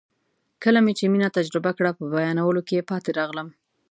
کله مې چې مینه تجربه کړه په بیانولو کې پاتې راغلم.